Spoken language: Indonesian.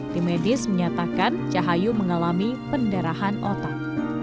tim medis menyatakan cahayu mengalami pendarahan otak